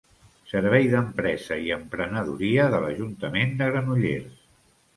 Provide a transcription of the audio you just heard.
Servei d'Empresa i Emprenedoria de l'Ajuntament de Granollers.